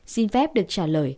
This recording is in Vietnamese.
xin phép được trả lời